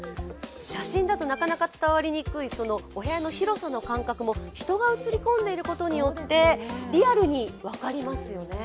写真だと、なかなか伝わりにくいお部屋の広さの感覚も人が映り込んでいることによってリアルに分かりますよね。